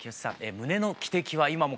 「胸の汽笛は今も」